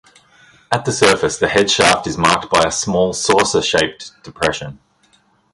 At the surface the head shaft is marked by a small saucer-shaped depression.